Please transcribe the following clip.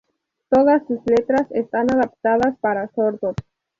Todas sus letras están adaptadas para sordos.